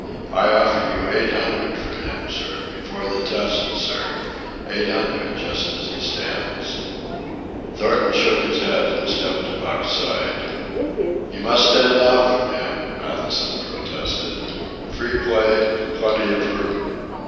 "I offer you eight hundred for him, sir, before the test, sir; eight hundred just as he stands." Thornton shook his head and stepped to Buck's side. "You must stand off from him," Matthewson protested. "Free play and plenty of room."